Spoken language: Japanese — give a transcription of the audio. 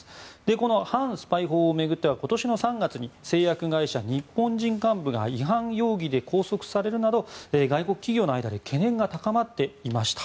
この反スパイ法を巡っては今年３月に製薬会社の日本人幹部が違反容疑で拘束されるなど外国企業の間で懸念が高まっていました。